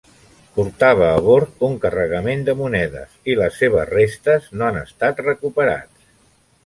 Portava a bord un carregament de monedes, i les seves restes no han estat recuperats.